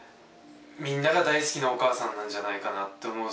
みんなが大好きなお母さんなんじゃないかなって思う。